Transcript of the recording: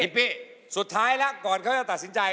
พี่สุดท้ายแล้วก่อนเขาจะตัดสินใจ